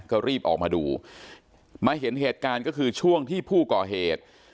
ก็รีบออกมาดูมาเห็นเหตุการณ์ก็คือช่วงที่ผู้ก่อเหตุ